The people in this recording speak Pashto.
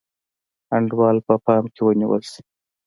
انډول په پام کې ونیول شي.